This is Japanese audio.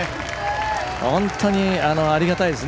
本当にありがたいです